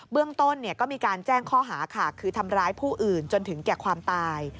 เรื่องต้นก็มีการแจ้งข้อหาค่ะคือทำร้ายผู้อื่นจนถึงแก่ความตาย